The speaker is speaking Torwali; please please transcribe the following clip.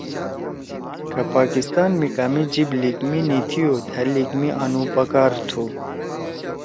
کہ پاکستان می کامے جیِب لیِک می نیِتھیؤ تھأ لیِکھ می آنُو پکار تُھو۔